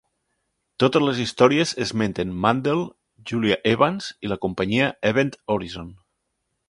Totes les històries esmenten Mandel, Julia Evans i la companyia Event Horizon.